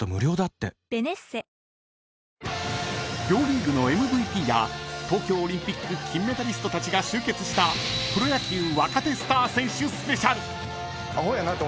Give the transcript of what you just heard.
［両リーグのＭＶＰや東京オリンピック金メダリストたちが集結したプロ野球］